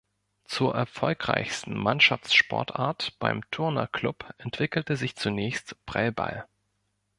Zur erfolgreichsten Mannschaftssportart beim Turner-Club entwickelte sich zunächst Prellball.